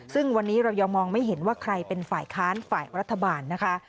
ซึ่งวันนี้เรายังมองไม่เห็นว่าใครเป็นฝ่ายค้านฝ่ายรัฐบาลนะคะ